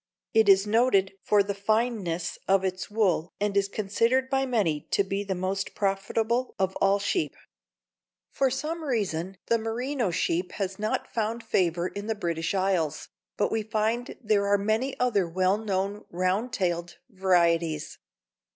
It is noted for the fineness of its wool and is considered by many to be the most profitable of all sheep. For some reason the Merino sheep has not found favor in the British isles, but we find there many other well known round tailed varieties.